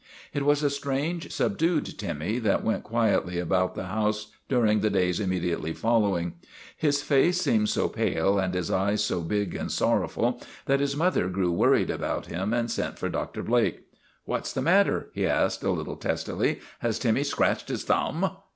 It was a strange, subdued Timmy that went quietly about the house during the days immediately following. His face seemed so pale and his eyes so big and sorrowful that his mother grew worried about him and sent for Dr. Blake. " What 's the matter ?' he asked a little testily. " Has Timmy scratched his thumb?'